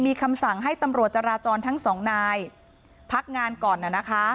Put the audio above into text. มีคำสั่งให้ตำรวจจราจรทั้งสองนายพักงานก่อนนะคะ